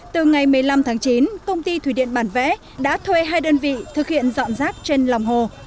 từ ngày một mươi năm tháng chín công ty thủy điện bản vẽ đã thuê hai đơn vị thực hiện dọn rác trên lòng hồ